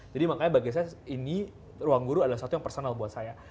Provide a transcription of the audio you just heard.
jadi makanya bagi saya ini ruangguru adalah sesuatu yang personal buat saya